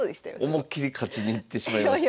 思いっきり勝ちにいってしまいました。